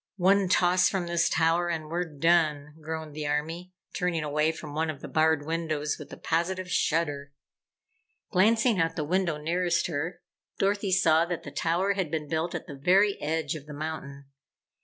"One toss from this tower and we're done!" groaned the Army, turning away from one of the barred windows with a positive shudder. Glancing out the window nearest her, Dorothy saw that the tower had been built at the very edge of the mountain.